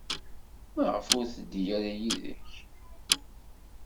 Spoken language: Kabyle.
Maɣef ur teddi ara yid-k?